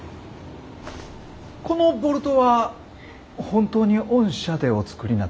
このボルトは本当に御社でお作りになったんですか？